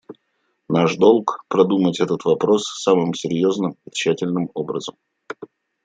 Наш долг — продумать этот вопрос самым серьезным и тщательным образом.